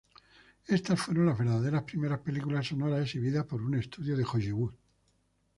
Estas fueron las verdaderas primeras películas sonoras exhibidas por un estudio de Hollywood.